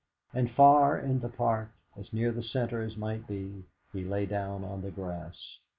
And far in the Park, as near the centre as might be, he lay down on the grass.